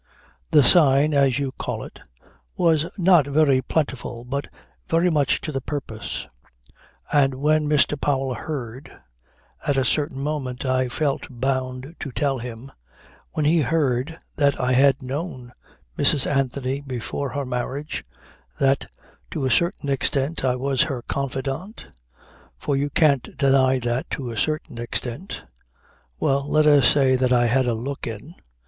The sign, as you call it, was not very plentiful but very much to the purpose, and when Mr. Powell heard (at a certain moment I felt bound to tell him) when he heard that I had known Mrs. Anthony before her marriage, that, to a certain extent, I was her confidant ... For you can't deny that to a certain extent ... Well let us say that I had a look in